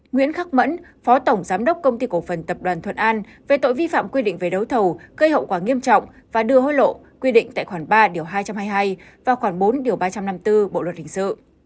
nguyễn khắc mẫn phó tổng giám đốc công ty cổ phần tập đoàn thuận an về tội vi phạm quy định về đấu thầu gây hậu quả nghiêm trọng và đưa hối lộ quy định tại khoản ba điều hai trăm hai mươi hai và khoảng bốn ba trăm năm mươi bốn bộ luật hình sự